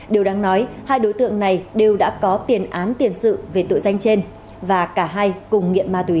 điều đáng nói hai đối tượng này đều đã có tiền án